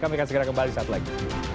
kami akan segera kembali saat lagi